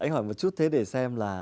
anh hỏi một chút thế để xem là